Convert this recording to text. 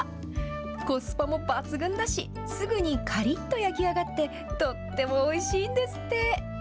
コスパも抜群だし、すぐにかりっと焼き上がって、とってもおいしいんですって。